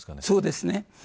そうですね。